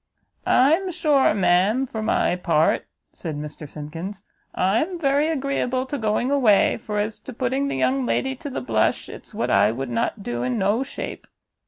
"I'm sure, ma'am, for my part," said Mr Simkins, "I'm very agreeable to going away, for as to putting the young lady to the blush, it's what I would not do in no shape."